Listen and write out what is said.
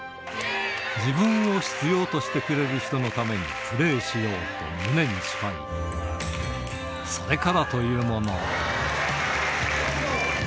自分を必要としてくれる人のためにプレーしようと胸に誓い、それからというもの。